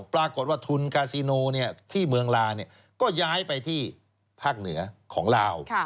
ปรากฏว่าทุนกาซิโนที่เมืองลาก็ย้ายไปที่ภาคเหนือของลาว